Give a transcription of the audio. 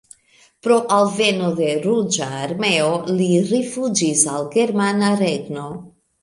Pro alveno de Ruĝa Armeo li rifuĝis al Germana Regno.